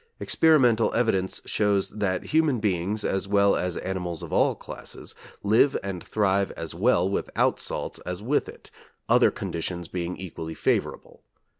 Experimental evidence shows that human beings, as well as animals of all classes, live and thrive as well without salt as with it, other conditions being equally favorable.